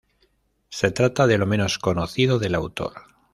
Se trata de lo menos conocido del autor.